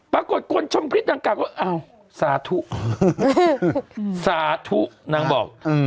ปรากฏคนชมฤทธิ์ดังกล่าวเอ้าซาทุซาทุนางบอกอืม